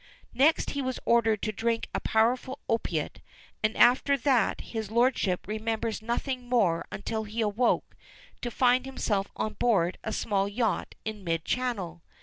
Next he was ordered to drink a powerful opiate, and after that his lordship remembers nothing more until he awoke to find himself on board a small yacht in mid channel.